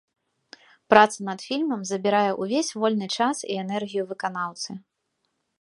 Праца над фільмам забірае ўвесь вольны час і энергію выканаўцы.